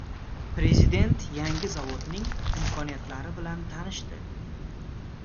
Prezident yangi zavodning imkoniyatlari bilan tanishdi